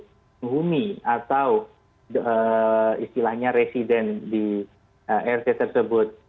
penghuni atau istilahnya resident di rt tersebut